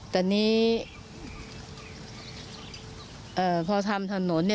พอดีไทยรัฐมาพอดี